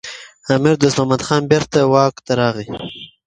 امیر دوست محمد خان بیرته واک ته راغی.